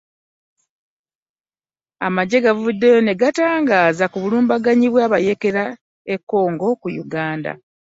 Amagye gavuddeyo ne gatangaaza bulumbaganyi bw'abayeekera e Congo ku Uganda.